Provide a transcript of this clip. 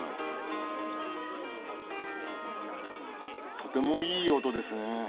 とてもいい音ですねえ。